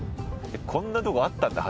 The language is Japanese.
こんなとこあったんだ。